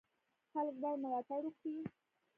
خلک باید ملاتړ وکړي.